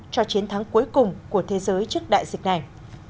cho chiến thắng cuối cùng của thế giới trước đại dịch này